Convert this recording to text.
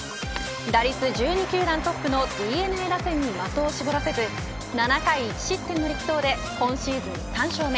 打率１２球団トップのＤｅＮＡ打線に的を絞らせず７回１失点の力投で今シーズン３勝目。